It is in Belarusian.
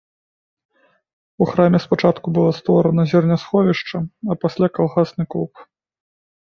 У храме спачатку было створана зернясховішча, а пасля калгасны клуб.